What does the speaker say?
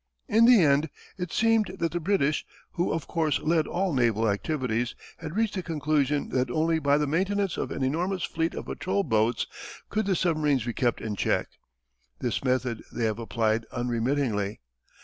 In the end it seemed that the British, who of course led all naval activities, had reached the conclusion that only by the maintenance of an enormous fleet of patrol boats could the submarines be kept in check. This method they have applied unremittingly.